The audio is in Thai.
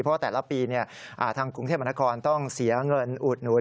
เพราะแต่ละปีทางกรุงเทพมนครต้องเสียเงินอุดหนุน